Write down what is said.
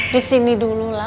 disini dulu lah